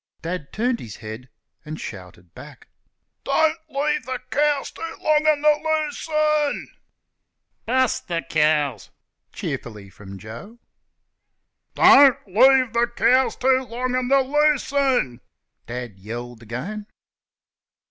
Dad turned his head and shouted back, "Don't leave th' cows too long in th' luce'ne." "Bust th' cows!" cheerfully, from Joe. "Don't leave th' cows too long in th' luce'ne," Dad yelled again.